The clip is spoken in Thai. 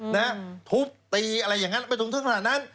นะทุบตีอะไรอย่างนั้นไปถึงถึงขณะนั้น